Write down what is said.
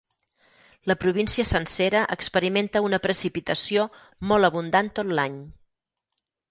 La província sencera experimenta una precipitació molt abundant tot l'any.